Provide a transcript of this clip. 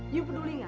ibu peduli nggak